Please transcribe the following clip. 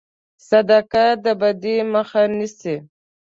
صدقه د بدي مخه نیسي.